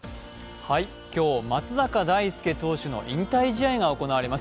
今日松坂大輔投手の引退試合が行われます。